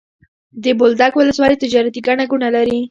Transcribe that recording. د بولدک ولسوالي تجارتي ګڼه ګوڼه لري.